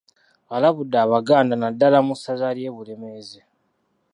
Alabudde abaganda naddala mu ssaza ly'e Bulemeezi